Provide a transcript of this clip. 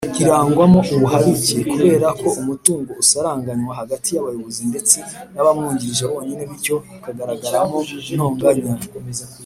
irangwamo ubuharike kubera ko umutungo usaranganywa hagati yabayozi ndetse nabamwungirije bonyine bityo hakagaragaramo intonganya.